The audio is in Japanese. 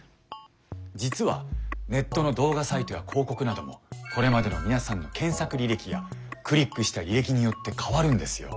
実はネットの動画サイトや広告などもこれまでの皆さんの検索履歴やクリックした履歴によって変わるんですよ。